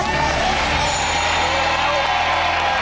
ความสุข